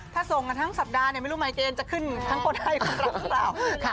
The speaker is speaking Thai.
ถ้าส่งกันทั้งสัปดาห์เนี่ยไม่รู้ไมเกณฑ์จะขึ้นทั้งคนให้คนกลับหรือเปล่า